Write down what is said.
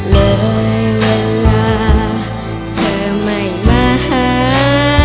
เลยเวลาเธอไม่มาหา